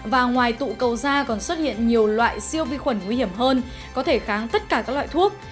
và ngoài tụ cầu da còn xuất hiện nhiều loại siêu vi khuẩn nguy hiểm hơn có thể kháng tất cả các loại thuốc